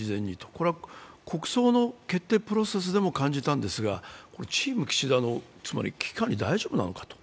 これは国葬の決定プロセスでも感じたんですが、チーム岸田の危機管理大丈夫なのかと。